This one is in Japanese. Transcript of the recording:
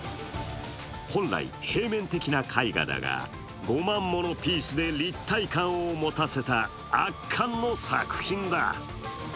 本来、平面的な絵画だが５万ものピースで立体感を持たせた圧巻の作品だ。